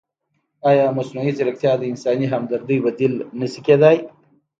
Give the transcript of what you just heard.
ایا مصنوعي ځیرکتیا د انساني همدردۍ بدیل نه شي کېدای؟